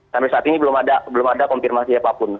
sampai saat ini belum ada konfirmasi apapun